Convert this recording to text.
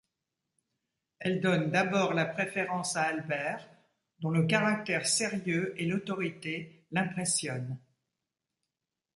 Elle donne d'abord la préférence à Albert, dont le caractère sérieux et l'autorité l'impressionnent.